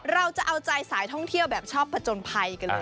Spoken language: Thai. เราจะเอาใจสายท่องเที่ยวแบบชอบผจญภัยกันเลย